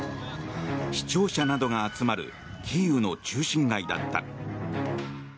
市庁舎などが集まるキーウの中心街だった。